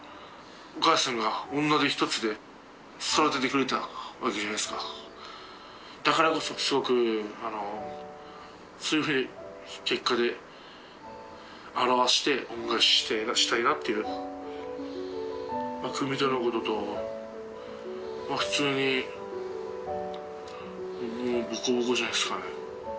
お母さんが女手一つで育ててくれたわけじゃないですかだからこそすごくそういうふうに結果で表して恩返しがしたいなっていうのはまぁ組み手のことと普通にボコボコじゃないですかね